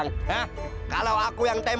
nggak usah pakai tapi tapi